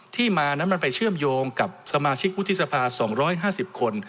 ที่มานั้นมันไปเชื่อมโยงกับสมาชิกวุฒิสภา๒๕๐คน